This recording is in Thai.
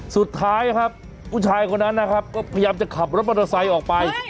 สุดท้ายครับผู้ชายคนนั้นก็พยายามขับรถมัตตาไซด์ออกไป